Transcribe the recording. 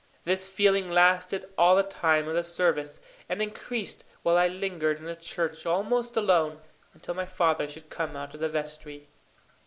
This feeling lasted all the time of the service, and increased while I lingered in the church almost alone until my father should come out of the vestry.